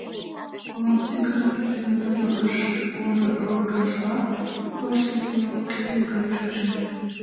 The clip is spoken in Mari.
Мылам тигр ир виноград оргажла коклаште йымен кийыме гай чучын.